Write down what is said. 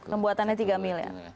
pembuatannya tiga miliar